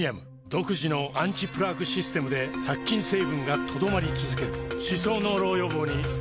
独自のアンチプラークシステムで殺菌成分が留まり続ける歯槽膿漏予防にプレミアム